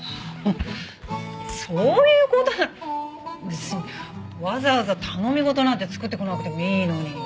そういう事なら別にわざわざ頼み事なんて作ってこなくてもいいのに。